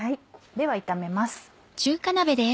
では炒めます。